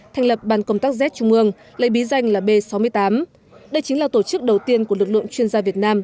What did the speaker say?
thành lập bàn công tác z trung ương lấy bí danh là b sáu mươi tám đây chính là tổ chức đầu tiên của lực lượng chuyên gia việt nam